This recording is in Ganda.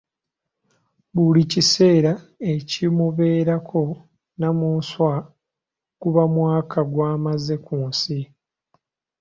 Buli kiseera ekimubeerako Nnamunswa guba mwaka gw'amaze ku nsi.